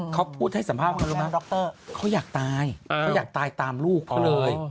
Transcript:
เขาพูดให้สัมภาษณ์ว่ารู้ไหมดรเขาอยากตายเขาอยากตายตามลูกเขาเลย